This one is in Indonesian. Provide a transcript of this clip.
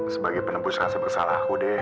sebagai penembus rasa bersalah aku deh